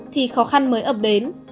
thì khó khăn mới ập đến